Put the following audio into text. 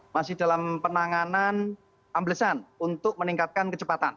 masih dalam penanganan amblesan untuk meningkatkan kecepatan